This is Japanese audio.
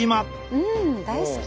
うん大好き。